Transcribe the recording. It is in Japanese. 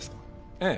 ええ。